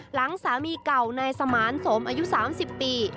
หลังสามีเก่านายสมานสมอายุ๓๐ปี